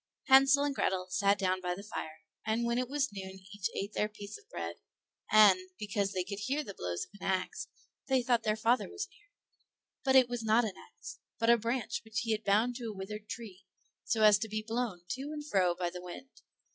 Hansel and Grethel sat down by the fire, and when it was noon each ate the piece of bread, and, because they could hear the blows of an ax, they thought their father was near; but it was not an ax, but a branch which he had bound to a withered tree, so as to be blown to and fro by the wind.